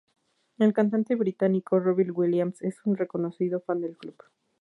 El cantante británico Robbie Williams es un reconocido fan del club.